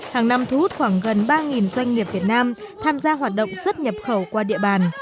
hàng năm thu hút khoảng gần ba doanh nghiệp việt nam tham gia hoạt động xuất nhập khẩu qua địa bàn